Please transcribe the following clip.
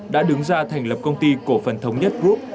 đã đứng ra thành lập công ty cổ phần thống nhất group